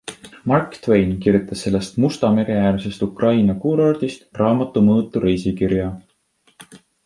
Mark Twain kirjutas sellest Musta mere äärsest Ukraina kuurordist raamatumõõtu reisikirja.